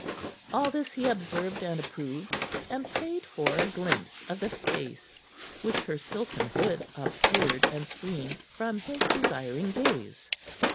All this he observed and approved, and prayed for a glimpse of the face which her silken hood obscured and screened from his desiring gaze.